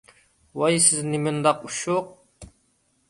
ۋاي سىز نېمانداق ئۇششۇق!